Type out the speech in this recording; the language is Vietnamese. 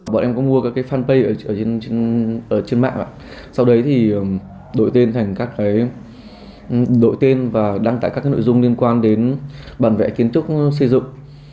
bọn em có mua các fanpage ở trên mạng sau đấy đổi tên và đăng tải các nội dung liên quan đến bản vẽ kiến thức xây dựng